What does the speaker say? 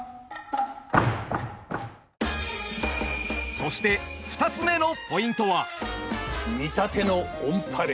そして２つ目のポイントは。